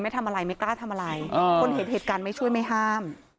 ไม่ทำอะไรไม่กล้าทำอะไรคนเห็นเหตุการณ์ไม่ช่วยไม่ห้าม